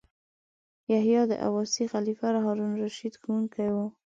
یحیی د عباسي خلیفه هارون الرشید ښوونکی و.